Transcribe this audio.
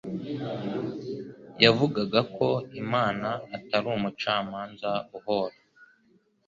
Yavugaga ko Imana atari umucamanza uhora,